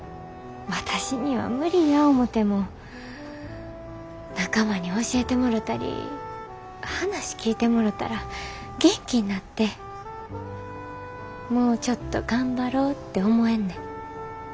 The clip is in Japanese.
私には無理や思ても仲間に教えてもろたり話聞いてもろたら元気になってもうちょっと頑張ろて思えんねん。